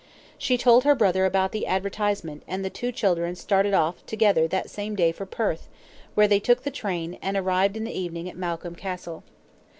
She told her brother about the advertisement, and the two children started off together that same day for Perth, where they took the train, and arrived in the evening at Malcolm Castle.